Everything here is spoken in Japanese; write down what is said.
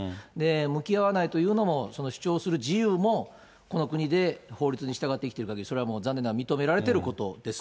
向き合わないというのも、その主張する自由も、この国で法律に従って生きているかぎり、それはもう残念ながら、認められていることです。